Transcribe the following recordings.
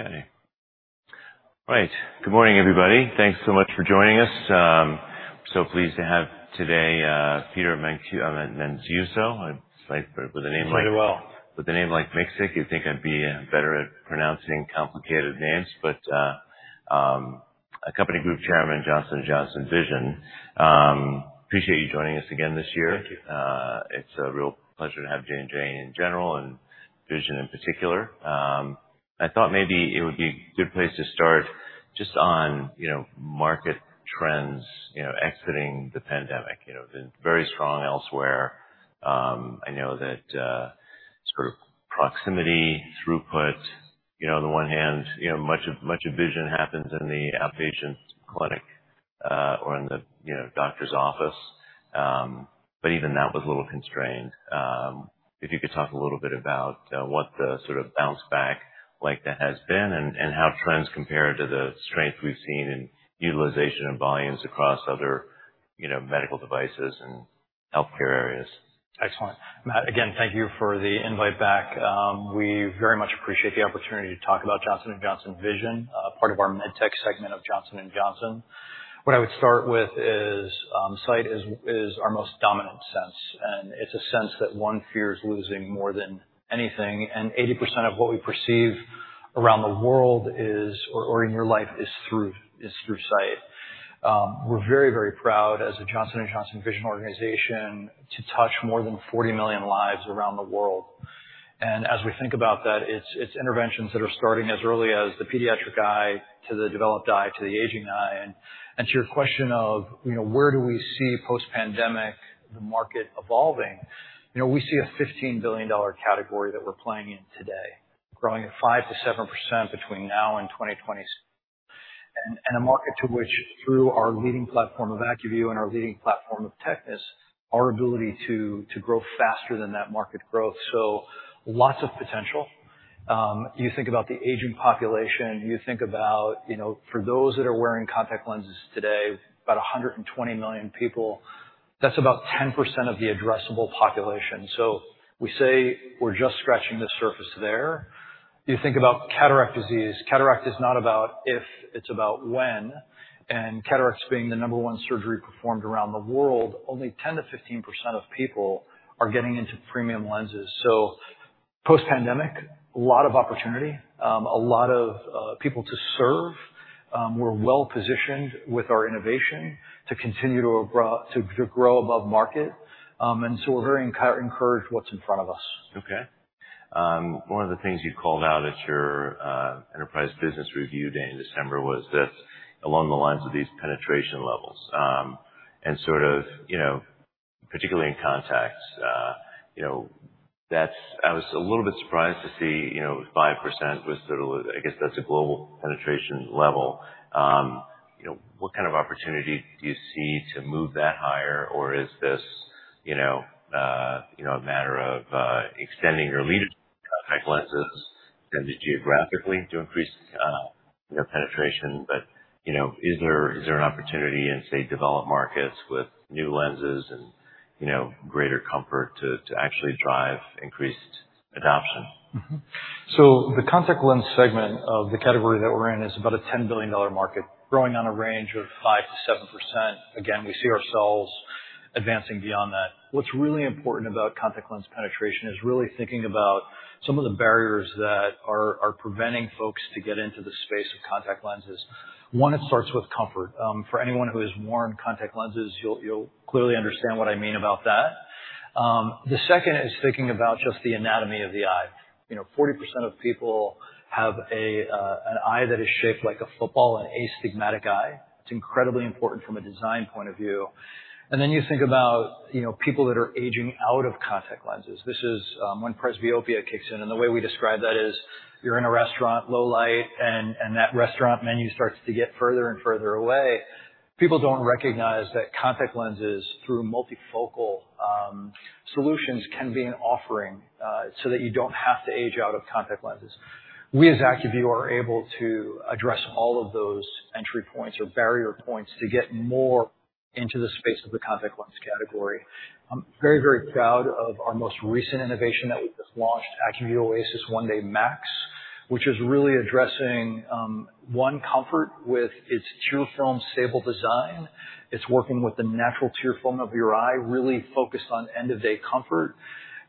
Okay. Right. Good morning, everybody. Thanks so much for joining us. So pleased to have today, Peter Menziuso. I mean, Menziuso. I like the name like. Pretty well. With a name like Menziuso, you'd think I'd be better at pronouncing complicated names, but a Company Group Chairman, Johnson & Johnson Vision. Appreciate you joining us again this year. Thank you. It's a real pleasure to have J&J in general and Vision in particular. I thought maybe it would be a good place to start just on, you know, market trends, you know, exiting the pandemic. You know, been very strong elsewhere. I know that, sort of proximity throughput, you know, on the one hand, you know, much of much of Vision happens in the outpatient clinic, or in the, you know, doctor's office. But even that was a little constrained. If you could talk a little bit about, what the sort of bounce-back like that has been and, and how trends compare to the strength we've seen in utilization and volumes across other, you know, medical devices and healthcare areas. Excellent. Matt, again, thank you for the invite back. We very much appreciate the opportunity to talk about Johnson & Johnson Vision, part of our MedTech segment of Johnson & Johnson. What I would start with is, sight is our most dominant sense, and it's a sense that one fears losing more than anything. 80% of what we perceive around the world or in your life is through sight. We're very, very proud as a Johnson & Johnson Vision organization to touch more than 40 million lives around the world. And as we think about that, it's interventions that are starting as early as the pediatric eye, to the developed eye, to the aging eye. To your question of, you know, where do we see post-pandemic the market evolving, you know, we see a $15 billion category that we're playing in today, growing at 5%-7% between now and 2026. And a market to which, through our leading platform of ACUVUE and our leading platform of TECNIS, our ability to grow faster than that market growth. So lots of potential. You think about the aging population. You think about, you know, for those that are wearing contact lenses today, about 120 million people. That's about 10% of the addressable population. So we say we're just scratching the surface there. You think about cataract disease. Cataract is not about if. It's about when. And cataracts being the number one surgery performed around the world, only 10%-15% of people are getting into premium lenses. So post-pandemic, a lot of opportunity, a lot of people to serve. We're well-positioned with our innovation to continue to grow above market. And so we're very encouraged what's in front of us. Okay. One of the things you called out at your enterprise business review day in December was that along the lines of these penetration levels, and sort of, you know, particularly in contacts, you know, that's I was a little bit surprised to see, you know, 5% was sort of a, I guess that's a global penetration level. You know, what kind of opportunity do you see to move that higher, or is this, you know, you know, a matter of extending your leadership to contact lenses and geographically to increase, you know, penetration? But, you know, is there, is there an opportunity in, say, developed markets with new lenses and, you know, greater comfort to, to actually drive increased adoption? Mm-hmm. So the contact lens segment of the category that we're in is about a $10 billion market, growing on a range of 5%-7%. Again, we see ourselves advancing beyond that. What's really important about contact lens penetration is really thinking about some of the barriers that are preventing folks to get into the space of contact lenses. One, it starts with comfort. For anyone who has worn contact lenses, you'll clearly understand what I mean about that. The second is thinking about just the anatomy of the eye. You know, 40% of people have an eye that is shaped like a football, an astigmatic eye. It's incredibly important from a design point of view. And then you think about, you know, people that are aging out of contact lenses. This is, when presbyopia kicks in. The way we describe that is you're in a restaurant, low light, and that restaurant menu starts to get further and further away. People don't recognize that contact lenses, through multifocal solutions, can be an offering, so that you don't have to age out of contact lenses. We, as ACUVUE, are able to address all of those entry points or barrier points to get more into the space of the contact lens category. I'm very, very proud of our most recent innovation that we just launched, ACUVUE OASYS MAX 1-Day, which is really addressing one, comfort with its tear film stable design. It's working with the natural tear film of your eye, really focused on end-of-day comfort.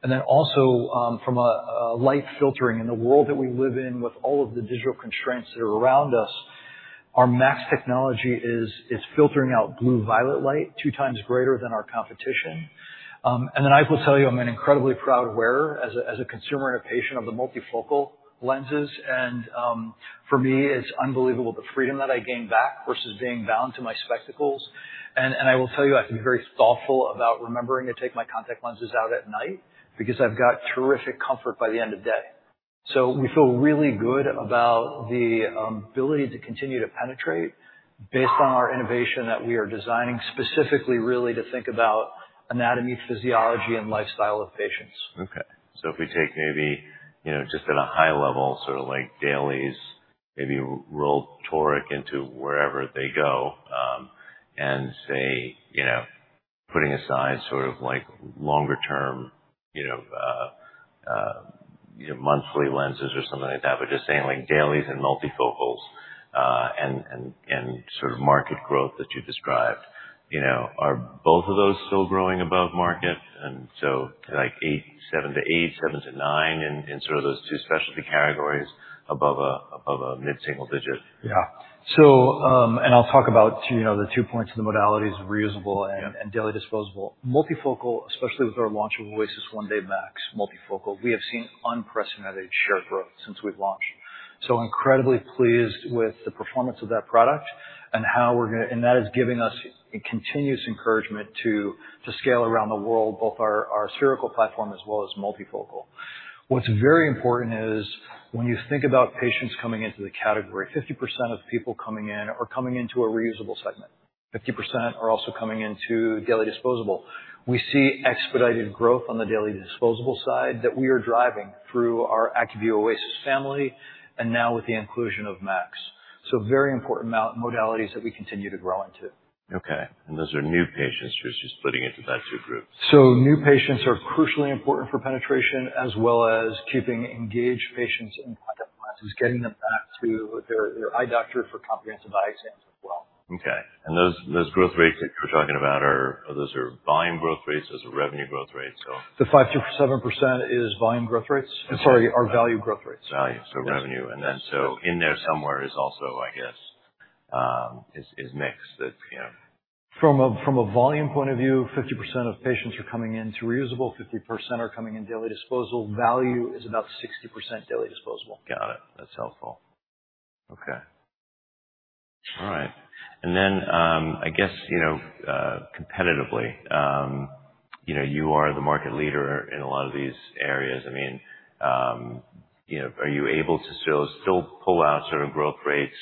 And then also, from a light filtering in the world that we live in with all of the digital constraints that are around us, our Max technology is filtering out blue-violet light 2x greater than our competition. And then I will tell you I'm an incredibly proud wearer as a consumer and a patient of the multifocal lenses. And for me, it's unbelievable the freedom that I gain back versus being bound to my spectacles. And I will tell you I can be very thoughtful about remembering to take my contact lenses out at night because I've got terrific comfort by the end of day. So we feel really good about the ability to continue to penetrate based on our innovation that we are designing specifically, really, to think about anatomy, physiology, and lifestyle of patients. Okay. So if we take maybe, you know, just at a high level, sort of like dailies, maybe roll toric into wherever they go, and say, you know, putting aside sort of like longer-term, you know, monthly lenses or something like that, but just saying like dailies and multifocals, and sort of market growth that you described, you know, are both of those still growing above market? And so like 8.7-8, 7-9 in sort of those two specialty categories, above a mid-single digit? Yeah. So I'll talk about, you know, the two points of the modalities, reusable and daily disposable. Multifocal, especially with our launch of OASYS 1-Day Max, multifocal, we have seen unprecedented share growth since we've launched. So incredibly pleased with the performance of that product and how we're gonna, and that is giving us continuous encouragement to scale around the world, both our spherical platform as well as multifocal. What's very important is when you think about patients coming into the category, 50% of people coming in are coming into a reusable segment. 50% are also coming into daily disposable. We see expedited growth on the daily disposable side that we are driving through our ACUVUE OASYS family and now with the inclusion of Max. So very important modalities that we continue to grow into. Okay. And those are new patients who're just splitting into that two group? New patients are crucially important for penetration as well as keeping engaged patients in contact lenses, getting them back to their eye doctor for comprehensive eye exams as well. Okay. And those growth rates that you were talking about, are those volume growth rates? Those are revenue growth rates, so? The 5%-7% is volume growth rates. Okay. I'm sorry, our value growth rates. Value. So revenue. And then, so in there somewhere is also, I guess, mix that, you know. From a volume point of view, 50% of patients are coming into reusable. 50% are coming in daily disposable. Value is about 60% daily disposable. Got it. That's helpful. Okay. All right. And then, I guess, you know, competitively, you know, you are the market leader in a lot of these areas. I mean, you know, are you able to still pull out sort of growth rates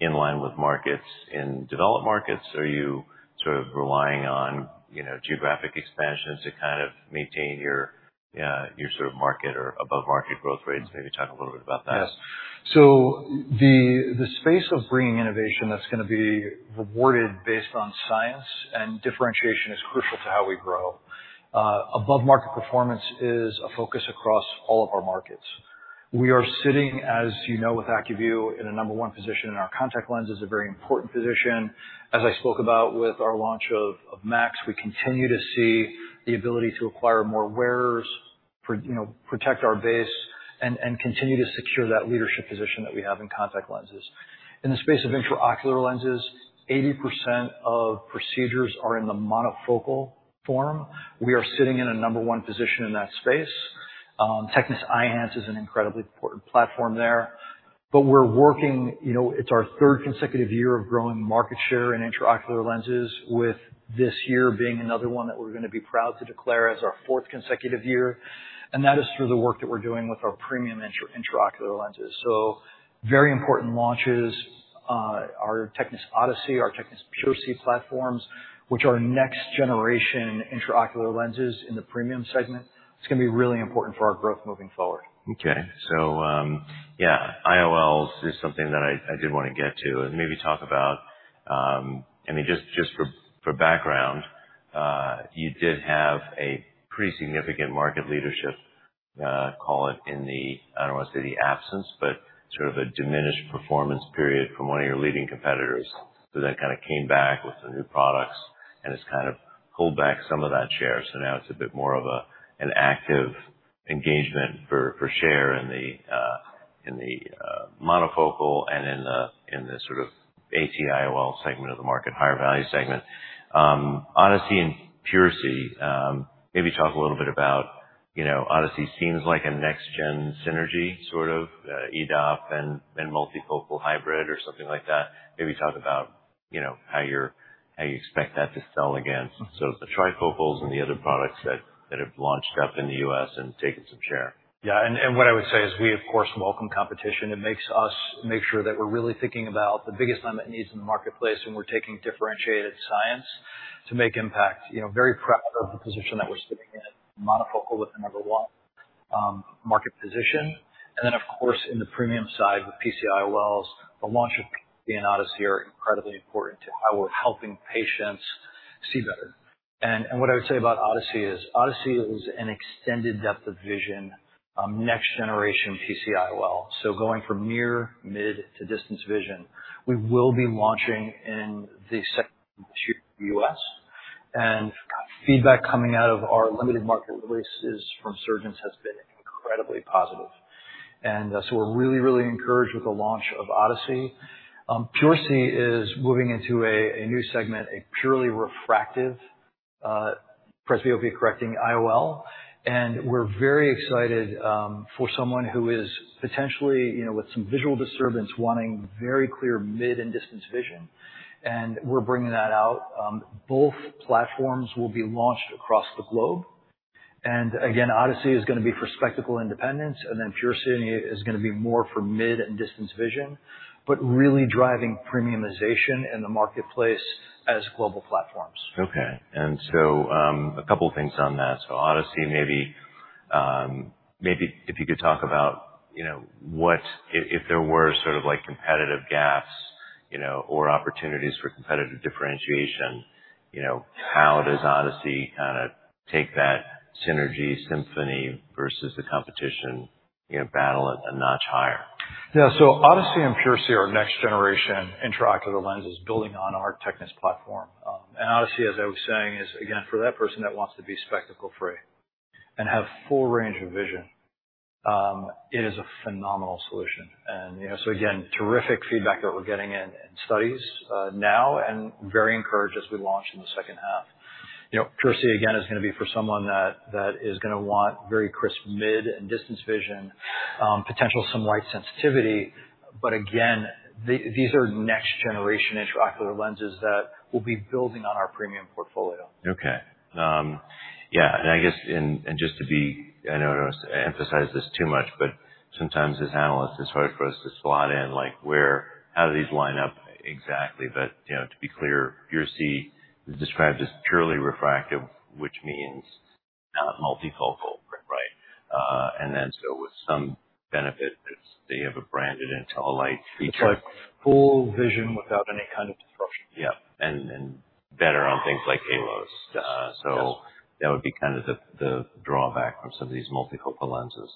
in line with markets in developed markets? Are you sort of relying on, you know, geographic expansion to kind of maintain your sort of market or above-market growth rates? Maybe talk a little bit about that. Yes. So the space of bringing innovation that's gonna be rewarded based on science and differentiation is crucial to how we grow. Above-market performance is a focus across all of our markets. We are sitting, as you know, with ACUVUE, in a number one position, and our contact lens is a very important position. As I spoke about with our launch of Max, we continue to see the ability to acquire more wearers for, you know, protect our base and continue to secure that leadership position that we have in contact lenses. In the space of intraocular lenses, 80% of procedures are in the monofocal form. We are sitting in a number one position in that space. TECNIS Eyhance is an incredibly important platform there. But we're working, you know, it's our third consecutive year of growing market share in intraocular lenses, with this year being another one that we're gonna be proud to declare as our fourth consecutive year. And that is through the work that we're doing with our premium intraocular lenses. So very important launches, our TECNIS Odyssey, our TECNIS PureSee platforms, which are next-generation intraocular lenses in the premium segment. It's gonna be really important for our growth moving forward. Okay. So, yeah, IOLs is something that I did wanna get to and maybe talk about. I mean, just for background, you did have a pretty significant market leadership, call it, in the I don't wanna say the absence, but sort of a diminished performance period from one of your leading competitors who then kinda came back with the new products and has kind of pulled back some of that share. So now it's a bit more of an active engagement for share in the monofocal and in the sort of AT IOL segment of the market, higher-value segment. Odyssey and PureSee, maybe talk a little bit about you know, Odyssey seems like a next-gen Synergy sort of, EDOF and multifocal hybrid or something like that. Maybe talk about, you know, how you expect that to sell against sort of the trifocals and the other products that have launched up in the U.S. and taken some share. Yeah. And what I would say is we, of course, welcome competition. It makes us make sure that we're really thinking about the biggest climate needs in the marketplace, and we're taking differentiated science to make impact. You know, very proud of the position that we're sitting in, monofocal with the number one market position. And then, of course, in the premium side with PC-IOLs, the launch of PC-IOL and Odyssey are incredibly important to how we're helping patients see better. And what I would say about Odyssey is Odyssey is an extended depth of vision, next-generation PC-IOL. So going from near, mid, to distance vision, we will be launching in the second year in the U.S. And feedback coming out of our limited market releases from surgeons has been incredibly positive. And, so we're really, really encouraged with the launch of Odyssey. PureSee is moving into a new segment, a purely refractive, presbyopia-correcting IOL. And we're very excited, for someone who is potentially, you know, with some visual disturbance wanting very clear mid and distance vision. And we're bringing that out. Both platforms will be launched across the globe. And again, Odyssey is gonna be for spectacle independence, and then PureSee is gonna be more for mid and distance vision, but really driving premiumization in the marketplace as global platforms. Okay. A couple of things on that. Odyssey, maybe, maybe if you could talk about, you know, what if, if there were sort of like competitive gaps, you know, or opportunities for competitive differentiation, you know, how does Odyssey kinda take that Synergy, symphony versus the competition, you know, battle it a notch higher? Yeah. So Odyssey and PureSee are next-generation intraocular lenses building on our TECNIS platform. Odyssey, as I was saying, is, again, for that person that wants to be spectacle-free and have full range of vision; it is a phenomenal solution. You know, so again, terrific feedback that we're getting in studies now and very encouraged as we launch in the second half. You know, PureSee, again, is gonna be for someone that is gonna want very crisp mid and distance vision, potentially some light sensitivity. But again, these are next-generation intraocular lenses that will be building on our premium portfolio. Okay. Yeah. And I guess in just to be, I don't wanna emphasize this too much, but sometimes as analysts, it's hard for us to slot in like where how do these line up exactly. But, you know, to be clear, PureSee is described as purely refractive, which means not multifocal, right? And then so with some benefit, they have a branded IntelliLight feature. But full vision without any kind of disruption. Yep. And better on things like halos. So that would be kind of the drawback from some of these multifocal lenses.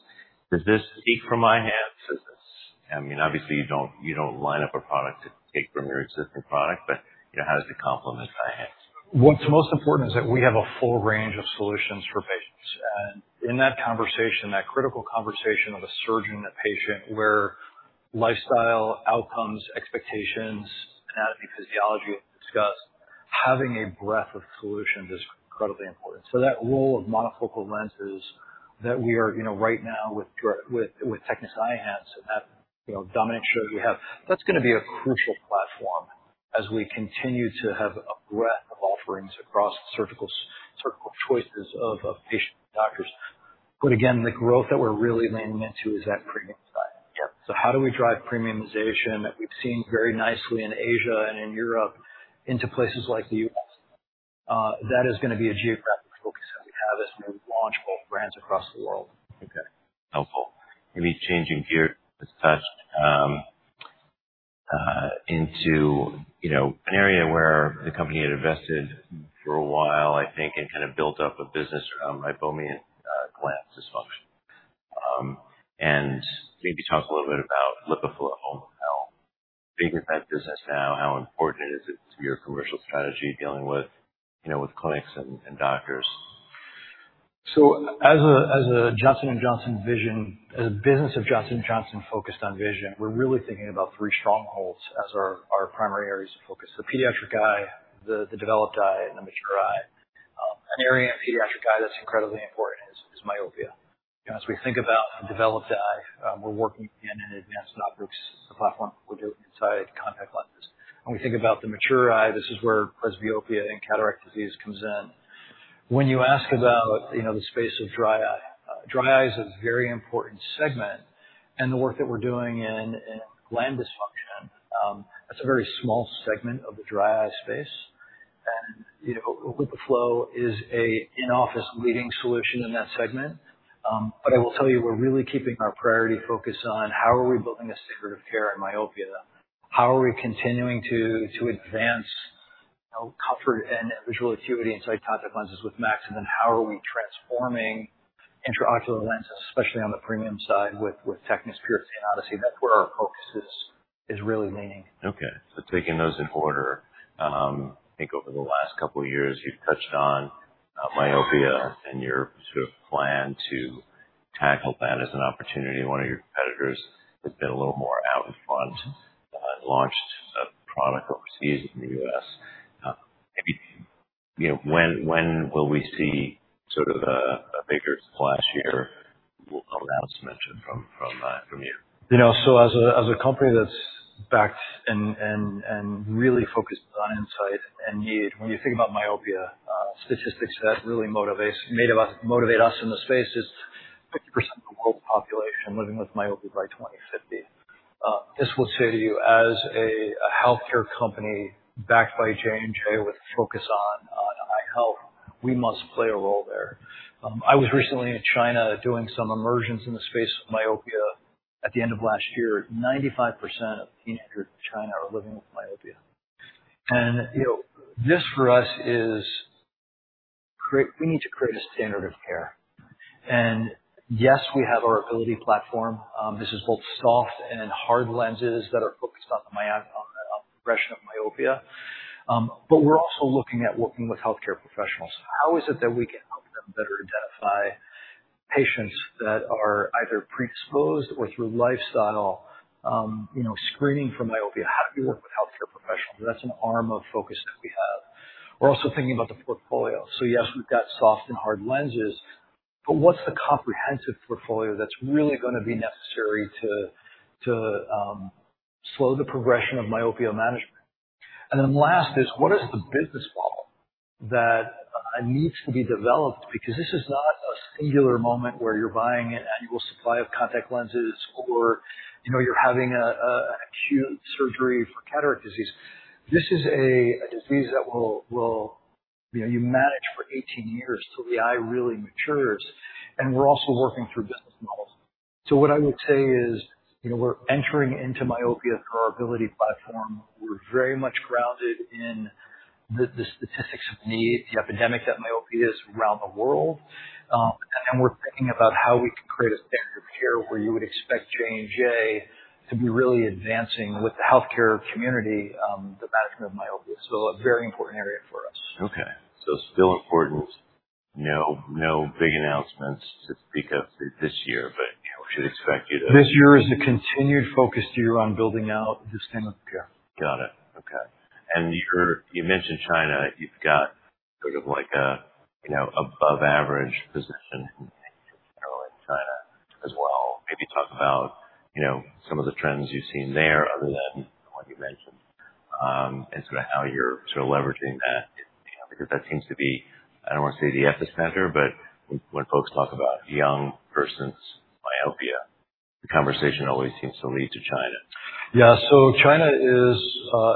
Does this speak for my hands? I mean, obviously, you don't line up a product to take from your existing product, but, you know, how does it complement my hands? What's most important is that we have a full range of solutions for patients. And in that conversation, that critical conversation of a surgeon and a patient where lifestyle, outcomes, expectations, anatomy, physiology are discussed, having a breadth of solutions is incredibly important. So that role of monofocal lenses that we are, you know, right now with TECNIS Eyhance and that, you know, dominant share that we have, that's gonna be a crucial platform as we continue to have a breadth of offerings across surgical choices of patients and doctors. But again, the growth that we're really leaning into is that premium side. Yep. So how do we drive premiumization that we've seen very nicely in Asia and in Europe into places like the U.S.? That is gonna be a geographic focus that we have as we launch both brands across the world. Okay. Helpful. Maybe changing gear, just touched into, you know, an area where the company had invested for a while, I think, and kinda built up a business around Meibomian gland dysfunction. And maybe talk a little bit about LipiFlow. How big is that business now? How important is it to your commercial strategy dealing with, you know, with clinics and, and doctors? So as a Johnson & Johnson Vision as a business of Johnson & Johnson focused on vision, we're really thinking about three strongholds as our primary areas of focus: the pediatric eye, the developed eye, and the mature eye. An area in pediatric eye that's incredibly important is myopia. You know, as we think about the developed eye, we're working in an advanced DotBrooks platform that we're doing inside contact lenses. And we think about the mature eye. This is where presbyopia and cataract disease comes in. When you ask about, you know, the space of dry eye, dry eye is a very important segment. And the work that we're doing in gland dysfunction, that's a very small segment of the dry eye space. And, you know, LipiFlow is an in-office leading solution in that segment. I will tell you, we're really keeping our priority focus on how are we building a standard of care in myopia? How are we continuing to advance, you know, comfort and visual acuity inside contact lenses with Max? And then how are we transforming intraocular lenses, especially on the premium side with TECNIS PureSee and Odyssey? That's where our focus is really leaning. Okay. So taking those in order, I think over the last couple of years, you've touched on myopia and your sort of plan to tackle that as an opportunity. One of your competitors has been a little more out in front, and launched a product overseas in the US. Maybe, you know, when will we see sort of a bigger splash here, announcement from you? You know, so as a company that's backed and really focused on insight and need, when you think about myopia, statistics that really motivate all of us motivate us in the space is 50% of the world's population living with myopia by 2050. This says to you, as a healthcare company backed by J&J with a focus on eye health, we must play a role there. I was recently in China doing some immersions in the space of myopia. At the end of last year, 95% of teenagers in China are living with myopia. And, you know, this for us is, we need to create a standard of care. And yes, we have our Abiliti platform. This is both soft and hard lenses that are focused on the progression of myopia. but we're also looking at working with healthcare professionals. How is it that we can help them better identify patients that are either predisposed or through lifestyle, you know, screening for myopia? How do we work with healthcare professionals? That's an arm of focus that we have. We're also thinking about the portfolio. So yes, we've got soft and hard lenses, but what's the comprehensive portfolio that's really gonna be necessary to slow the progression of myopia management? And then last is, what is the business model that needs to be developed? Because this is not a singular moment where you're buying an annual supply of contact lenses or, you know, you're having an acute surgery for cataract disease. This is a disease that will, you know, you manage for 18 years till the eye really matures. And we're also working through business models. So what I would say is, you know, we're entering into myopia through our Abiliti platform. We're very much grounded in the statistics of need, the epidemic that myopia is around the world. And then we're thinking about how we can create a standard of care where you would expect J&J to be really advancing with the healthcare community, the management of myopia. So a very important area for us. Okay. Still important. No, no big announcements to speak of this year, but, you know, we should expect you to. This year is a continued focused year on building out the standard of care. Got it. Okay. And you mentioned China. You've got sort of like a, you know, above-average position in China as well. Maybe talk about, you know, some of the trends you've seen there other than the one you mentioned, and sort of how you're sort of leveraging that, you know, because that seems to be I don't wanna say the epicenter, but when folks talk about young persons' myopia, the conversation always seems to lead to China. Yeah. So China is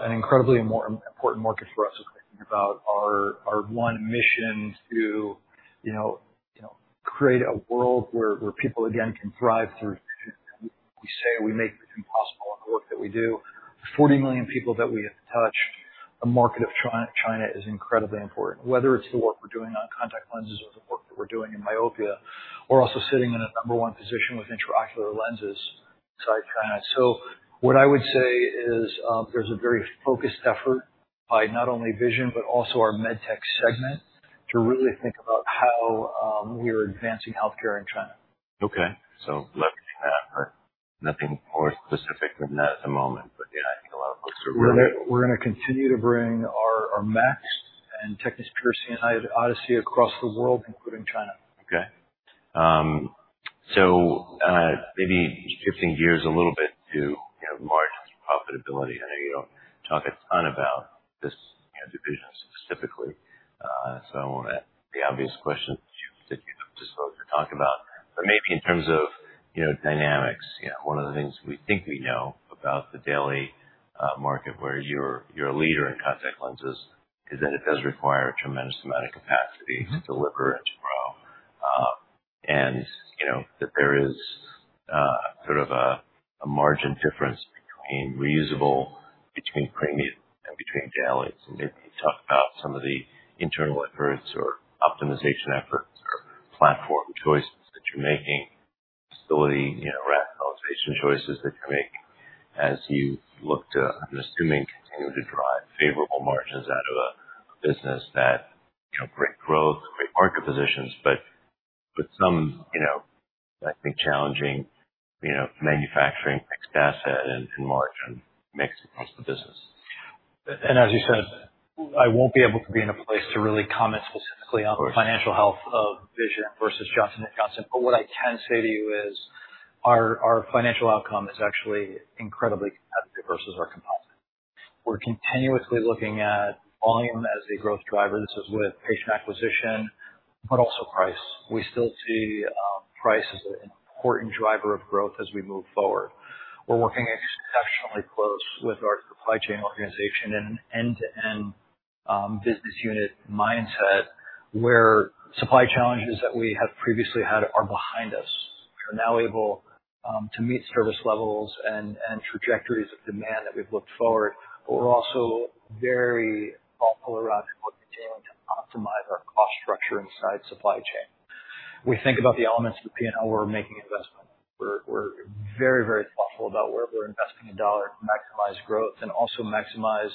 an incredibly important market for us if we think about our one mission to, you know, create a world where people, again, can thrive through vision. And we say we make vision possible in the work that we do. The 40 million people that we have touched, the market of China, China is incredibly important, whether it's the work we're doing on contact lenses or the work that we're doing in myopia. We're also sitting in a number one position with intraocular lenses inside China. So what I would say is, there's a very focused effort by not only vision but also our med tech segment to really think about how we are advancing healthcare in China. Okay. So leveraging that, but nothing more specific than that at the moment. But yeah, I think a lot of folks are really. We're gonna continue to bring our Max and TECNIS PureSee and Odyssey across the world, including China. Okay. So, maybe shifting gears a little bit to, you know, margins and profitability. I know you don't talk a ton about this, you know, division specifically, so I won't ask the obvious questions that you that you're disposed to talk about. But maybe in terms of, you know, dynamics, you know, one of the things we think we know about the daily market where you're, you're a leader in contact lenses is that it does require a tremendous amount of capacity to deliver and to grow. And, you know, that there is sort of a margin difference between reusable, between premium, and between daily. So maybe talk about some of the internal efforts or optimization efforts or platform choices that you're making, facility, you know, rationalization choices that you're making as you look to, I'm assuming, continue to drive favorable margins out of a, a business that, you know, great growth, great market positions, but with some, you know, I think, challenging, you know, manufacturing fixed asset and, and margin mix across the business. And as you said, I won't be able to be in a place to really comment specifically on. Of course. Financial health of Vision versus Johnson & Johnson. But what I can say to you is our financial outcome is actually incredibly competitive versus our composite. We're continuously looking at volume as a growth driver. This is with patient acquisition but also price. We still see price as an important driver of growth as we move forward. We're working exceptionally close with our supply chain organization in an end-to-end business unit mindset where supply challenges that we have previously had are behind us. We are now able to meet service levels and trajectories of demand that we've looked forward, but we're also very thoughtful around continuing to optimize our cost structure inside supply chain. We think about the elements of P&L. We're making investments. We're very, very thoughtful about where we're investing a dollar to maximize growth and also maximize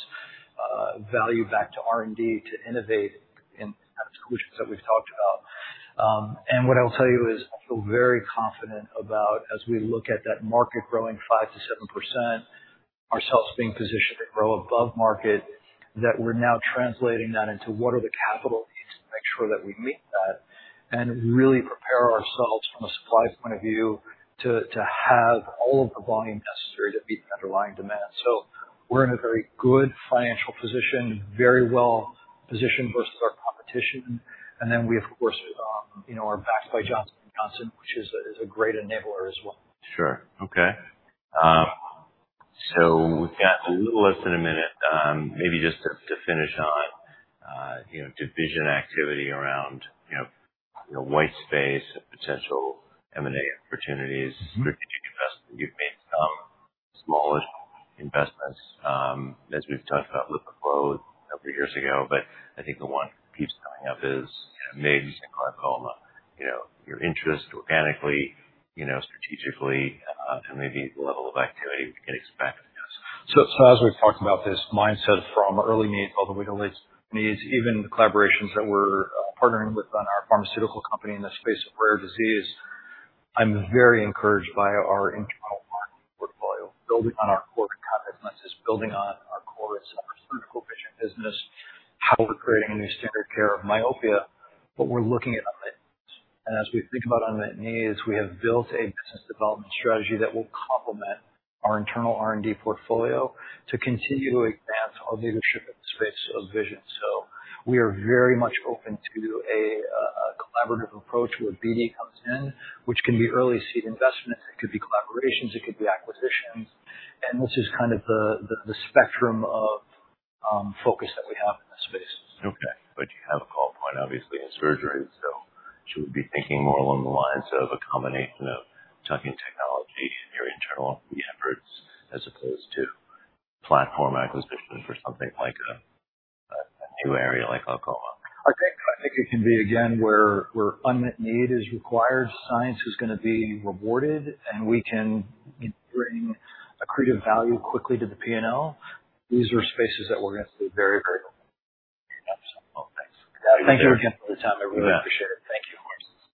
value back to R&D to innovate in kind of solutions that we've talked about. And what I will tell you is I feel very confident about as we look at that market growing 5%-7%, ourselves being positioned to grow above market, that we're now translating that into what are the capital needs to make sure that we meet that and really prepare ourselves from a supply point of view to have all of the volume necessary to meet the underlying demand. So we're in a very good financial position, very well positioned versus our competition. And then we, of course, you know, are backed by Johnson & Johnson, which is a great enabler as well. Sure. Okay, so we've got a little less than a minute, maybe just to, to finish on, you know, division activity around, you know, you know, white space, potential M&A opportunities, strategic investment. You've made some smallish investments, as we've talked about LipiFlow a couple of years ago, but I think the one keeps coming up is, you know, MIGS and glaucoma, you know, your interest organically, you know, strategically, and maybe the level of activity we can expect from this. So, as we've talked about this mindset from early needs all the way to late needs, even the collaborations that we're partnering with on our pharmaceutical company in the space of rare disease, I'm very encouraged by our internal marketing portfolio, building on our core contact lenses, building on our core in the surgical vision business, how we're creating a new standard of care for myopia, but we're looking at unmet needs. As we think about unmet needs, we have built a business development strategy that will complement our internal R&D portfolio to continue to advance our leadership in the space of vision. So we are very much open to a collaborative approach where BD comes in, which can be early seed investments. It could be collaborations. It could be acquisitions. And this is kind of the spectrum of focus that we have in this space. Okay. But you have a call point, obviously, in surgery, so she would be thinking more along the lines of a combination of tucking technology in your internal efforts as opposed to platform acquisition for something like a new area like glaucoma. I think it can be, again, where unmet need is required, science is gonna be rewarded, and we can, you know, bring a creative value quickly to the P&L. These are spaces that we're gonna see very, very open. Well, thanks. Yeah. Thank you again for the time. I really appreciate it. Yeah. Thank you, of course.